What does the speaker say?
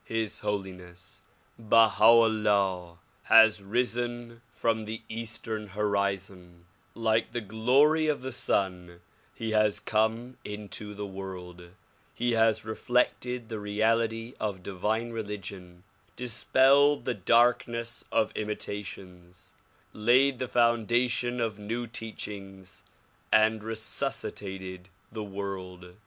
His Holiness Baha 'Ullah has risen from the eastern horizon. DISCOURSES DELIVERED IN PHILADELPHIA 175 Like the glory of the sun he has come into the world. He has reflected the reality of divine religion, dispelled the darkness of imitations, laid the foundation of new teachings and resuscitated the world.